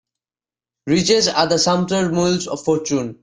Riches are the sumpter mules of fortune.